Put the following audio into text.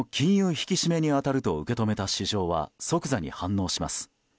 引き締めに当たると受け止めた市場は即座に反応します。